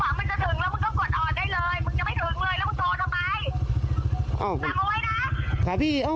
มึงจะถึงหวะมึงจะถึงแล้วมึงก็กดอ่อนได้เลย